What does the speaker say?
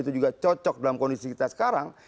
itu juga cocok dalam kondisi kita sekarang